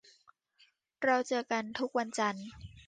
เราเจอกันทุกวันจันทร์